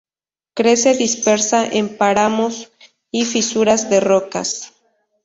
Crece dispersa en páramos y fisuras de rocas.